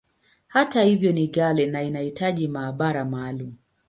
Hata hivyo, ni ghali, na inahitaji maabara maalumu.